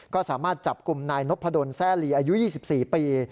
ก็สามารถจับกลุ่มนายนพดลแซ่ลีอายุ๒๔ปี